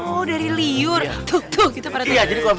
oh dari liur tuh tuh gitu pak rt